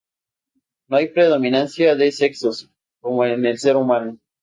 No hay predominancia de sexos, como en el ser humano.